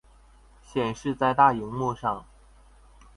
顯示在大螢幕上